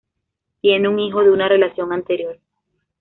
Tiene un hijo de una relación anterior.